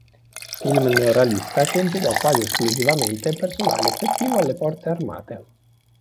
Film neorealista che impiegò quasi esclusivamente personale effettivo alle Forze Armate.